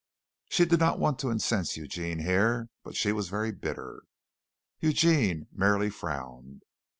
She did not want to incense Eugene here, but she was very bitter. Eugene merely frowned.